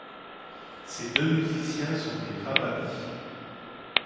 Ces deux musiciens sont des rababis.